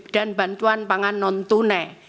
dan bantuan pangan non tunai